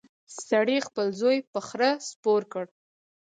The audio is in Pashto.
سړي خپل زوی په خره سپور کړ.